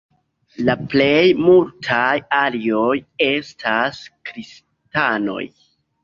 La plej multaj arioj estas kristanoj.